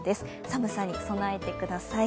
寒さに備えてください。